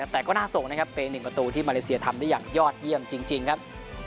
แต่ก็น่าส่งนะครับเป็น๑ประตูที่มาเลเซียทำได้อย่างยอดเยี่ยมจริงครับ